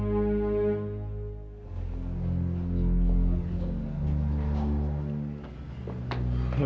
seramah installation baru